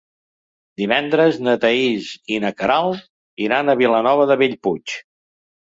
Divendres na Thaís i na Queralt iran a Vilanova de Bellpuig.